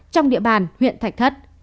trong địa bàn huyện thạch thất